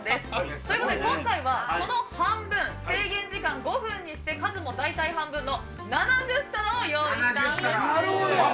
ということで今回は、その半分制限時間５分にして数もだいたい半分の７０皿を用意しました。